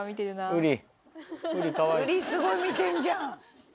ウリすごい見てんじゃん。